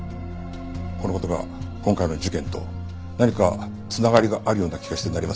この事が今回の事件と何か繋がりがあるような気がしてなりません。